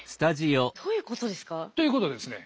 どういうことですか？ということでですね